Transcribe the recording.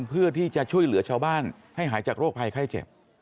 เพื่อที่จะช่วยเหลือชาวบ้านให้หายจากโรคภัยไข้เจ็บ